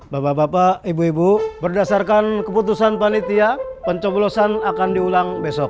bapak bapak ibu ibu berdasarkan keputusan panitia pencoblosan akan diulang besok